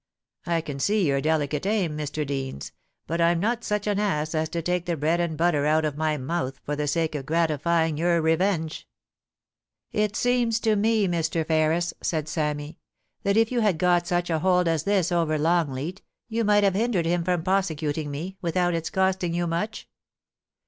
I can see your delicate aim, Mr. Deans, but I'm not such an ass as to take the bread and butter out of my mouth for the sake of gratifying your revenge.* * It seems to me, Mr. Ferris,' said Sammy, * that if you had got such a hold as this over Longleat, you might have hindered him from prosecuting me, without its costing you much.'